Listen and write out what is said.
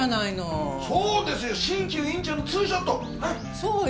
そうよ。